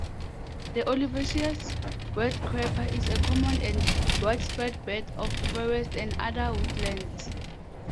The olivaceous woodcreeper is a common and widespread bird of forests and other woodlands.